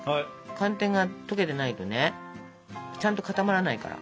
寒天が溶けてないとねちゃんと固まらないから。